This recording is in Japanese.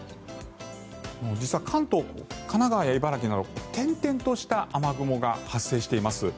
実は関東、神奈川や茨城など点々とした雨雲が発生しています。